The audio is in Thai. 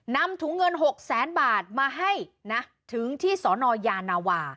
นำถุงเงิน๖๐๐๐๐๐บาทมาให้ถึงที่สยนว